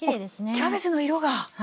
キャベツの色が！